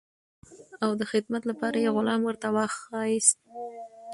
او د خدمت لپاره یې غلام ورته واخیست.